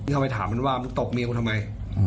เข้าไปถามมันว่ามึงตบเมียกูทำไม